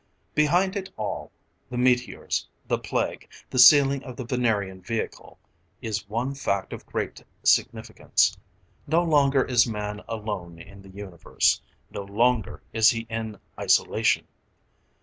Behind it all the meteors, the Plague, the sealing of the Venerian vehicle is one fact of great significance. No longer is man alone in the universe; no longer is he in isolation!